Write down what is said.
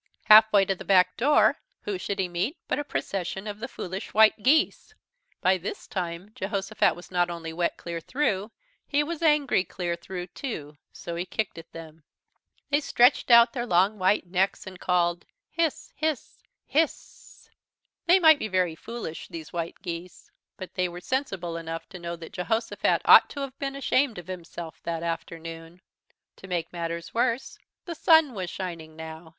Half way to the back door, who should he meet but a procession of the Foolish White Geese. By this time Jehosophat was not only wet clear through, he was angry clear through too, so he kicked at them. They stretched out their long white necks and called: "Hiss! Hiss! Hissssssss!!" They might be very foolish, these White Geese, but they were sensible enough to know that Jehosophat ought to have been ashamed of himself that afternoon. To make matters worse, the sun was shining now.